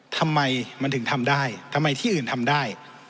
ทำไมมันถึงทำได้ทำไมที่อื่นทำได้